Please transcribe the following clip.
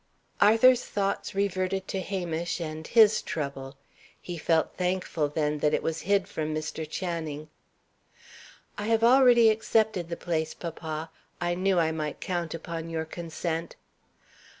Arthur's thoughts reverted to Hamish and his trouble. He felt thankful, then, that it was hid from Mr. Channing. "I have already accepted the place, papa. I knew I might count upon your consent."